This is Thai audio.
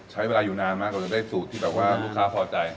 ใช้เวลาอยู่นานมากแล้วก็ได้สูตรที่หนูค้าพอใจ